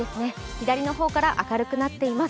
左の方から明るくなっています。